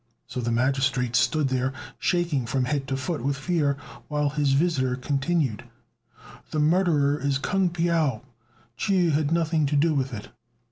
So the magistrate stood there, shaking from head to foot with fear, while his visitor continued, "The murderer is Kung Piao: Chu had nothing to do with it."